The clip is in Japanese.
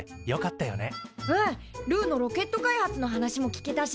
うんルーのロケット開発の話も聞けたし。